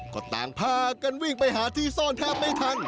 ก็ต่างพากันวิ่งไปหาที่ซ่อนแทบไม่ทัน